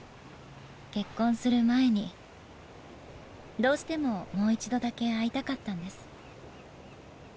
結婚する前にどうしてももう一度だけ会いたかったんです。